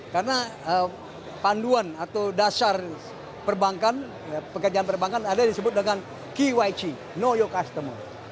karena panduan atau dasar perbankan pekerjaan perbankan ada yang disebut dengan e kiwai ci know your customer